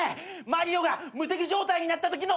マリオが無敵状態になったときの音！